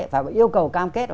phải yêu cầu cam kết